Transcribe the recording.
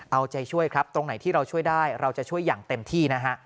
เอาใจช่วยครับตรงไหนที่เราช่วยได้เราจะช่วยอย่างเต็มที่นะฮะ